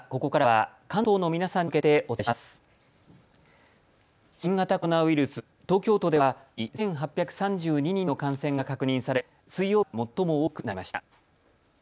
新型コロナウイルス、東京都ではきょう新たに１８３２人の感染が確認され水曜日としては最も多くなりました。